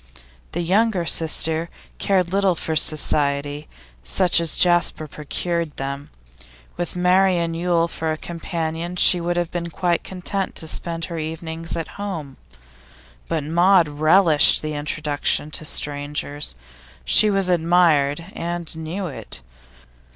The younger sister cared little for society such as Jasper procured them; with Marian Yule for a companion she would have been quite content to spend her evenings at home. But Maud relished the introduction to strangers. She was admired, and knew it.